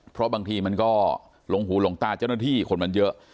เพราะบางทีมันก็หลงหูหลงตาเจ้าหน้าที่คนมันเยอะ